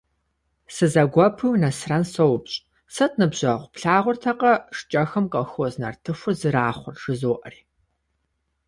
Сызэгуэпуи Нэсрэн соупщӏ:- Сыт, ныбжьэгъу, плъагъуртэкъэ шкӏэхэм колхоз нартыхур зэрахъур? - жызоӏэри.